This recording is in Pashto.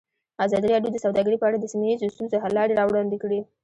ازادي راډیو د سوداګري په اړه د سیمه ییزو ستونزو حل لارې راوړاندې کړې.